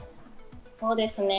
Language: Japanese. そうですね。